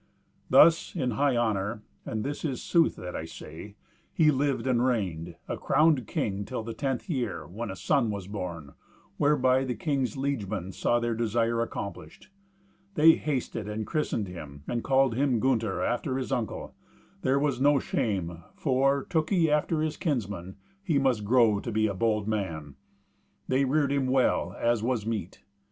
Thus, in high honour (and this is sooth that I say) he lived and reigned, a crowned king, till the tenth year, when a son was born, whereby the king's liegemen saw their desire accomplished. They hasted and christened him, and called him Gunther, after his uncle; that was no shame, for, took he after his kinsmen, he must grow to be a bold man. They reared him well, as was meet.